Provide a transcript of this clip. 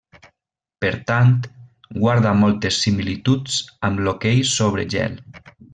Per tant, guarda moltes similituds amb l'hoquei sobre gel.